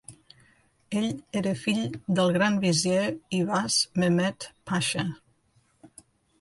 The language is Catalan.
Ell era fill del Grand Vizier Ivaz Mehmed Pasha.